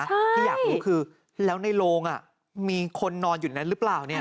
ที่อยากรู้คือแล้วในโรงอ่ะมีคนนอนอยู่นั้นหรือเปล่าเนี่ย